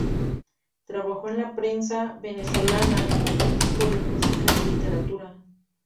Trabajó en la prensa venezolana como crítico de música y literatura.